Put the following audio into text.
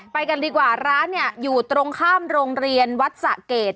ไปกันดีกว่าร้านเนี่ยอยู่ตรงข้ามโรงเรียนวัดสะเกด